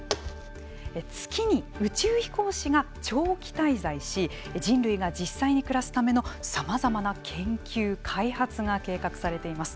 月に宇宙飛行士が長期滞在し人類が実際に暮らすためのさまざまな研究・開発が計画されています。